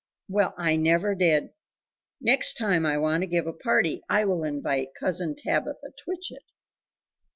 Well I never did!.... Next time I want to give a party I will invite Cousin Tabitha Twitchit!"